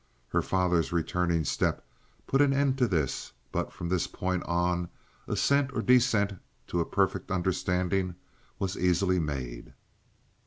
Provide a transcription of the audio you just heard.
Her father's returning step put an end to this; but from this point on ascent or descent to a perfect understanding was easily made.